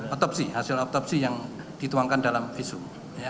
otopsi hasil otopsi yang dituangkan dalam visum